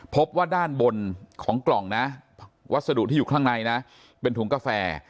พบว่าด้านบนของกล่องนะวัสดุที่อยู่ข้างในนะเป็นถุงกาแฟ